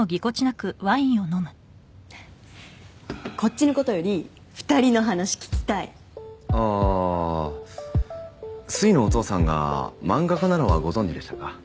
こっちのことより２人の話聞きたいああーすいのお父さんが漫画家なのはご存じでしたか？